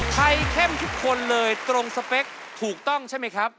เข้มทุกคนเลยตรงสเปคถูกต้องใช่ไหมครับ